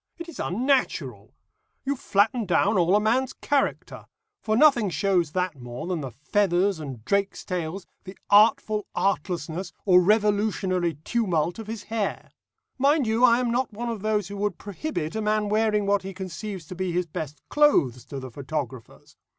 It is unnatural. You flatten down all a man's character; for nothing shows that more than the feathers and drakes' tails, the artful artlessness, or revolutionary tumult of his hair. Mind you, I am not one of those who would prohibit a man wearing what he conceives to be his best clothes to the photographer's.